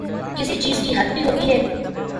کسی چیز کی حد بھی ہوتی ہے۔